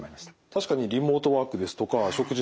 確かにリモートワークですとか食事のデリバリー。